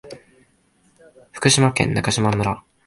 福島県中島村